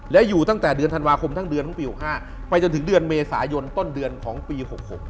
และอยู่ตั้งแต่เดือนธันวาคมทั้งเดือนทั้งปี๖๕ไปจนถึงเดือนเมษายนต้นเดือนของปี๖๖